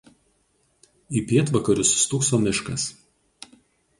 Į pietvakarius stūkso miškas.